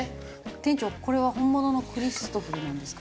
店長これは本物のクリストフルなんですか？